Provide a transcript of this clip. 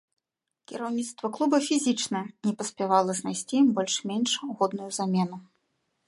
Кіраўніцтва клуба фізічна не паспявала знайсці ім больш-менш годную замену.